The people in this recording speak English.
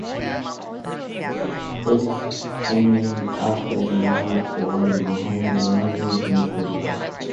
Its is named after the land owner Magdelena Johanna Rautenbach nee Marais.